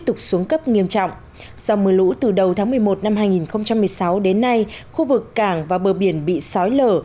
do mưa lũ từ đầu tháng một mươi một năm hai nghìn một mươi sáu đến nay khu vực cảng và bờ biển bị sói lở